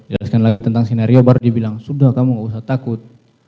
jelaskan lagi tentang skenario baru dia bilang sudah kamu gak usah takut